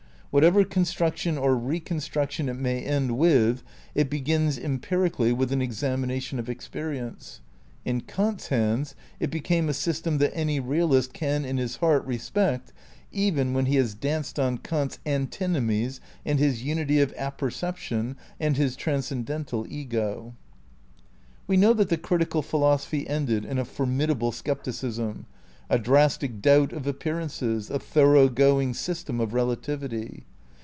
Whatever construction or reconstruction it may end with, it begins empirically with an examination of experience. In Kant's hands it became a system that any realist can in his heart respect, even when he has danced on Kant's Anti nomies and his Unity of Apperception, and his Trans cendental Ego. We know that the Critical Philosophy ended in a formidable scepticism, a drastic doubt of appearances, a thoroughgoing system of relativity.